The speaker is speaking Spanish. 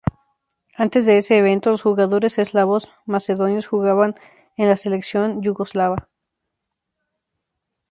Antes de ese evento, los jugadores eslavos macedonios jugaban en la selección yugoslava.